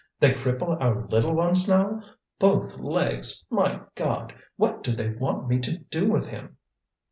They cripple our little ones now! Both legs! My God! What do they want me to do with him?"